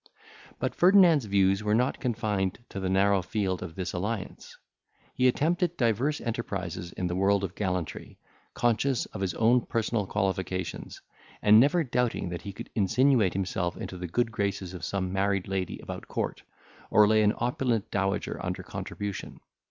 But Ferdinand's views were not confined to the narrow field of this alliance. He attempted divers enterprises in the world of gallantry, conscious of his own personal qualifications, and never doubting that he could insinuate himself into the good graces of some married lady about court, or lay an opulent dowager under contribution.